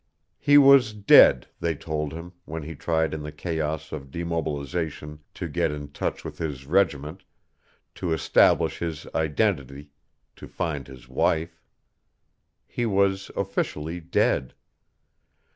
He was dead, they told him, when he tried in the chaos of demobilization to get in touch with his regiment, to establish his identity, to find his wife. He was officially dead.